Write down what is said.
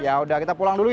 yaudah kita pulang dulu ya